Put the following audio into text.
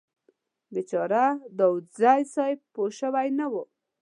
بیچاره داوودزی صیب پوه شوي نه و.